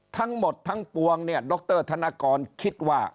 ทั้งหมดทั้งปวงเนี่ยดรธนกรคิดว่า